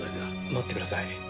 待ってください。